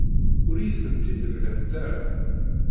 Ur iyi-tent-id-mlant ara.